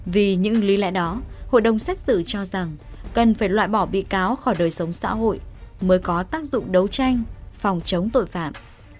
vì những lý lẽ đó hội đồng xét xử cho rằng cần phải loại bỏ bị cáo khỏi đời sống xã hội mới có tác dụng đấu tranh phòng chống tội phạm